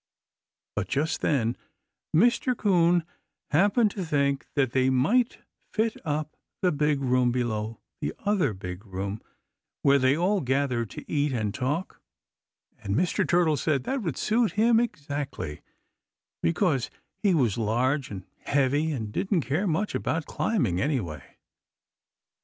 But just then Mr. 'Coon happened to think that they might fit up the big room below the other big room where they all gathered to eat and talk, and Mr. Turtle said that would suit him, exactly, because he was large and heavy and didn't care much about climbing any way.